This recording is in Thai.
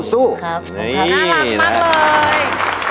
น่ารักมากเลย